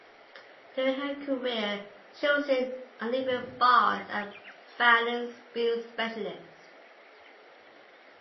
During her career, she was an uneven bars and balance beam specialist.